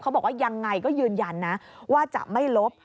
บอกว่ายังไงก็ยืนยันนะว่าจะไม่ลบ